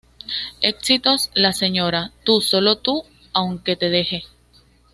Éxitos: La señora, Tu solo tu, Aunque te deje.